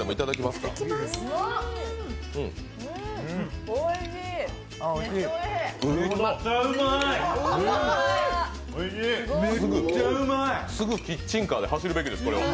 すぐキッチンカーで走るべきです、これは。